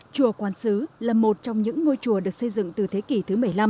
chùa quán sứ là một trong những ngôi chùa được xây dựng từ thế kỷ thứ một mươi năm